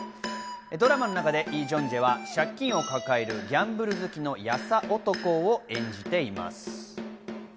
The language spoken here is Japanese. ドラマの中でイ・ジョンジェは借金を抱えるギャンブル好きの優男を演じています。